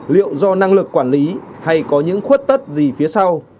liệu do năng lực quản lý hay có những khuất tất gì phía sau